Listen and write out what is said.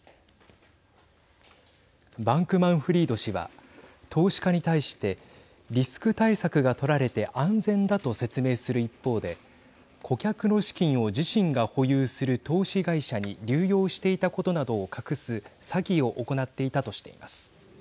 バンクマンフリード氏は投資家に対してリスク対策が取られて安全だと説明する一方で顧客の資金を自身が保有する投資会社に流用していたことなどを隠す詐欺を行っていたとしています。